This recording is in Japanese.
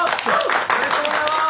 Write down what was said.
おめでとうございます。